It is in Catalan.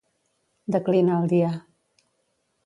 Declinar el dia.